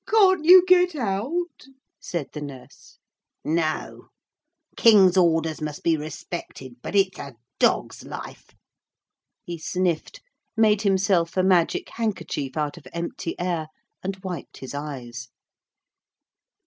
'Can't you get out?' said the nurse. 'No. King's orders must be respected, but it's a dog's life.' He sniffed, made himself a magic handkerchief out of empty air, and wiped his eyes.